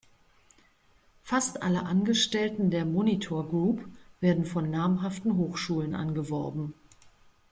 Fast alle Angestellten der Monitor Group werden von namhaften Hochschulen angeworben.